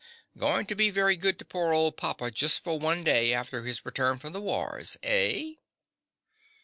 Going to be very good to poor old papa just for one day after his return from the wars, eh?